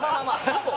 ほぼ？